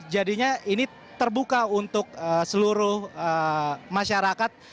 jadinya ini terbuka untuk seluruh masyarakat